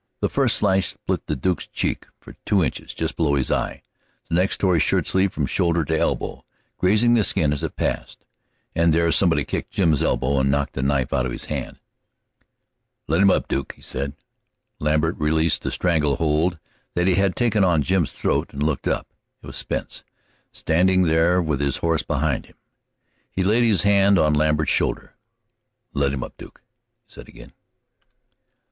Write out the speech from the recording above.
The first slash split the Duke's cheek for two inches just below his eye; the next tore his shirt sleeve from shoulder to elbow, grazing the skin as it passed. And there somebody kicked Jim's elbow and knocked the knife out of his hand. "Let him up, Duke," he said. Lambert released the strangle hold that he had taken on Jim's throat and looked up. It was Spence, standing there with his horse behind him. He laid his hand on Lambert's shoulder. "Let him up, Duke," he said again.